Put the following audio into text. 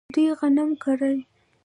دوی غنم کرل.